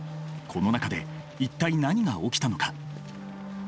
この中で一体何が起きたのか？